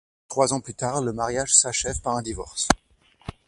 Trois ans plus tard, le mariage s'achève par un divorce.